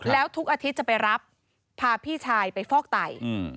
แล้วทุกอาทิตย์จะไปรับพาพี่ชายไปฟอกไต